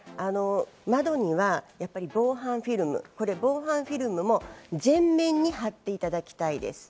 窓には防犯フィルム、これ防犯フィルムも全面に貼っていただきたいです。